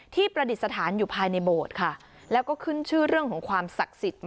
ประดิษฐานอยู่ภายในโบสถ์ค่ะแล้วก็ขึ้นชื่อเรื่องของความศักดิ์สิทธิ์